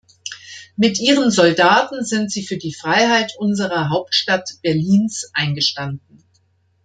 Mit ihren Soldaten sind sie für die Freiheit unserer Hauptstadt Berlins eingestanden.